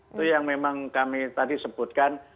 itu yang memang kami tadi sebutkan